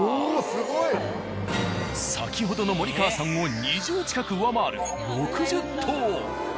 すごい。先ほどの森川さんを２０近く上回る６０棟。